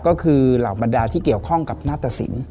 ก็คือเหล่าบรรดาที่เกี่ยวข้องกับหน้าตะสิน